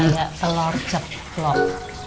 kayak telur ceplok